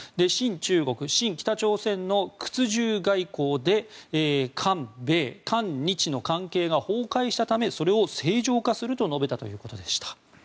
親中国、親北朝鮮の屈従外交で韓米、韓日の関係が崩壊したためそれを正常化すると述べたということでした。